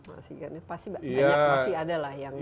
pasti banyak masih ada lah yang